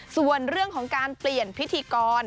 ส่วนเรื่องของการเปลี่ยนพิธีกร